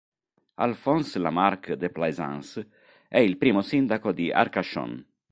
Alphonse Lamarque de Plaisance è il primo sindaco di Arcachon.